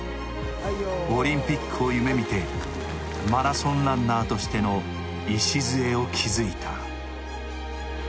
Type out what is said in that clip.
オリンピックを夢見て、マラソンランナーとしての礎を築いた。